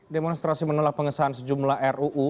demonstrasi menolak pengesahan sejumlah ruu